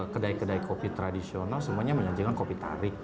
kedai kedai kopi tradisional semuanya menyajikan kopi tarik